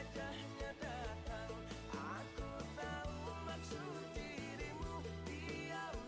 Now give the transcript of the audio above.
jalan bu ya